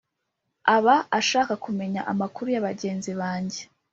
aba ashaka kumenya amakuru yabagenzi banjye